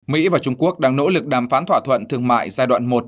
mỹ và trung quốc đang nỗ lực đàm phán thỏa thuận thương mại giai đoạn một